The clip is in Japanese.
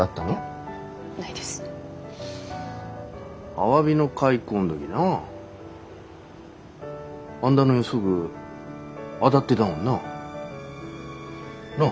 アワビの開口ん時なあんだの予測当だってだもんな。なあ？